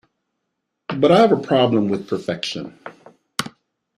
But I have a problem with perfection.